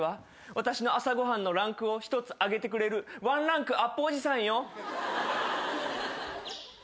私の朝ご飯のランクを１つ上げてくれるワンランクアップおじさんよ。